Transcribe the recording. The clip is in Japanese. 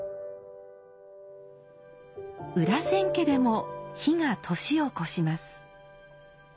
裏千家でも火が年を越します。